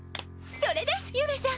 それですゆめさん！